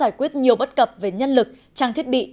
giải quyết nhiều bất cập về nhân lực trang thiết bị